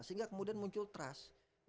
sehingga kemudian muncul trust